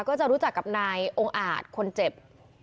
ก็จะรู้จักกับนายองค์อาจคนเจ็บ